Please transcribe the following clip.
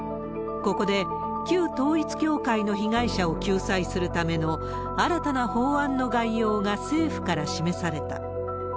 ここで、旧統一教会の被害者を救済するための、新たな法案の概要が政府から示された。